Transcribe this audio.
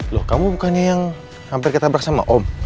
loh kamu bukannya yang hampir ketabrak sama om